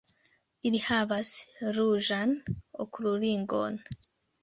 Ili havas ruĝan okulringon.